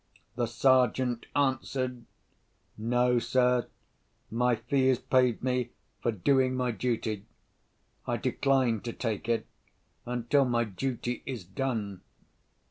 The Sergeant answered, "No, sir. My fee is paid me for doing my duty. I decline to take it, until my duty is done."